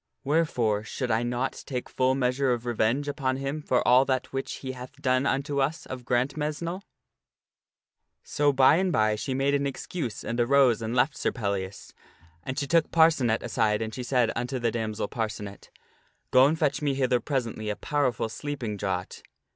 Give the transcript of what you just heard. Wherefore should I not take full measure of revenge upon him for all that which he hath done unto us .of Grantmesnle ?" So by and by she made an excuse and arose and left Sir Pellias. And 234 THE STORY OF SIR PELLIAS she took Parcenet aside, and she said unto the damsel Parcenet, "Go and fetch me hither presently a powerful sleeping draught."